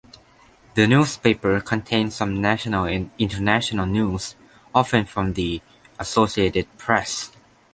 The newspapers contain some national and international news, often from the Associated Press.